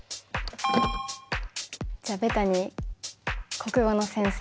じゃあベタに国語の先生。